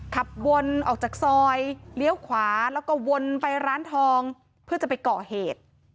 ขับวนออกจากซอยเลี้ยวขวาแล้วก็วนไปร้านทองเพื่อจะไปก่อเหตุ